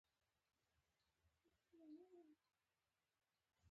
لیتننت اېن میکلر له سرحدي سیمو څخه لیدنه کوله او پام یې شو.